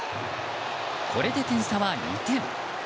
これで点差は２点。